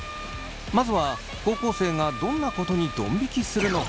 まずは高校生がどんなことにどん引きするのか？